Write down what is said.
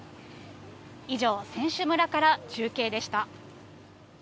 以上、選手村から中継でした。